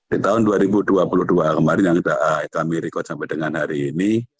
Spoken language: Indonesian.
di tahun dua ribu dua puluh dua kemarin yang kami rekod sampai dengan hari ini